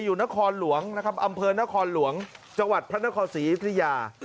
อยู่นครหลวงนะครับอำเพิ่นนครหลวงจังหวัดพระนครศรีอิทยา